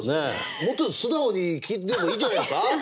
もうちょっと素直に聞いてもいいんじゃないですか！